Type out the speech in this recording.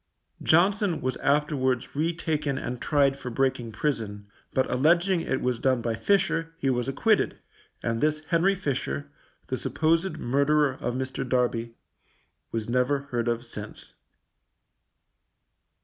Johnson was afterwards retaken and tried for breaking prison, but alleging it was done by Fisher, he was acquitted, and this Henry Fisher, the supposed murderer of Mr. Darby, was never heard of since.